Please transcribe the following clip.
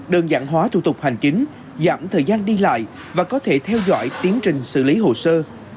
đơn giản hóa thủ tục hành chính giảm thời gian đi lại và có thể theo dõi tiến trình xử lý hồ sơ